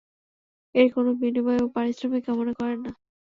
এর কোন বিনিময় ও পারিশ্রমিক কামনা করেন না।